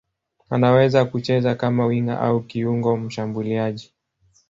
Anaweza kucheza kama winga au kiungo mshambuliaji.